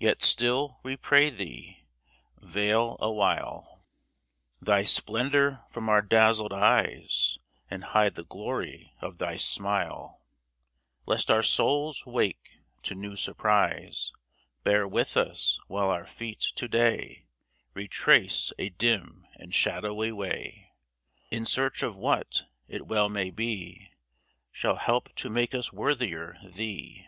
Yet still, we pray thee, veil awhile Thy splendor from our dazzled eyes And hide the glory of thy smile, Lest our souls wake to new surprise ! Bear with us while our feet to day Retrace a dim and shadowy way. In search of what, it well may be, Shall help to make us worthier thee !